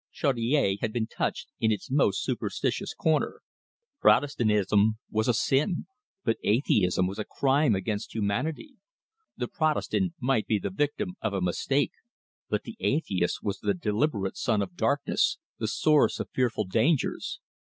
Chaudiere had been touched in its most superstitious corner. Protestantism was a sin, but atheism was a crime against humanity. The Protestant might be the victim of a mistake, but the atheist was the deliberate son of darkness, the source of fearful dangers.